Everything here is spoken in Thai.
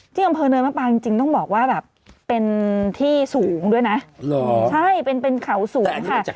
ที่อำเภอเนินมะปางจริงต้องบอกว่าแบบเป็นที่สูงด้วยนะใช่เป็นเขาสูงค่ะ